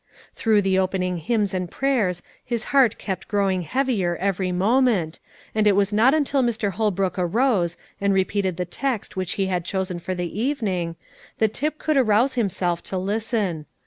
Through the opening hymns and prayers his heart kept growing heavier every moment, and it was not until Mr. Holbrook arose, and repeated the text which he had chosen for the evening, that Tip could arouse himself to listen.